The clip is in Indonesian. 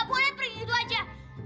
gak boleh pergi gitu aja